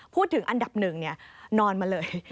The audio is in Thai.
พูดถึงอันดับหนึ่งนอนมาเลย